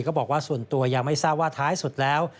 ก็บอกว่าส่วนตัวยังไม่ทราบว่าท้ายสุดแล้ว